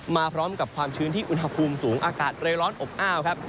มาพร้อมกับความชื้นที่อุณหภูมิสูงอากาศเลยร้อนอบอ้าวครับ